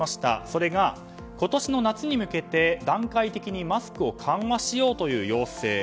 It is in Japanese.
それが今年の夏に向けて段階的にマスクを緩和しようという要請。